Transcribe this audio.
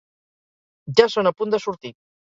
Ja són a punt de sortir.